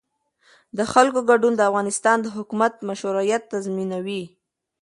د خلکو ګډون د افغانستان د حکومت مشروعیت تضمینوي